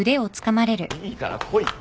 いいから来いよ。